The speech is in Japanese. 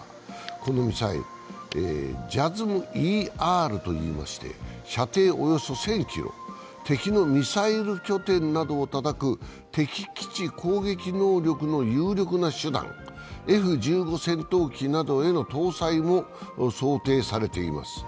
このミサイル、ＪＡＳＳＭ−ＥＲといいまして、射程およそ１０００ｋｍ、敵のミサイル拠点などをたたく敵基地攻撃能力の有力な手段で、Ｆ−１５戦闘機などへの搭載も想定されています。